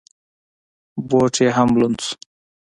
بوټ یې هم لوند شو.